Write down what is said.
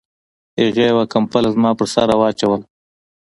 هغې یوه کمپله زما په سر را واچوله